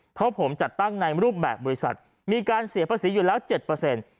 เพราะผมจัดตั้งในรูปแบบบริษัทมีการเสียภาษีอยู่แล้วเจ็ดเปอร์เซ็นต์